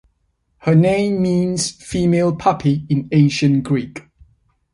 Her name means 'female puppy' in Ancient Greek.